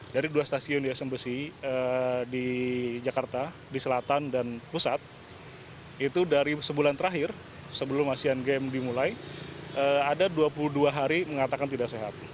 dari dua stasiun di smbc di jakarta di selatan dan pusat itu dari sebulan terakhir sebelum asean games dimulai ada dua puluh dua hari mengatakan tidak sehat